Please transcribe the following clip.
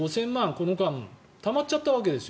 この間、たまっちゃったわけです